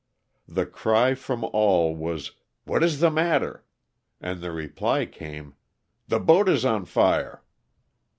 The cry from all was, " What is the matter ?'' and the reply came, the boat is on fire."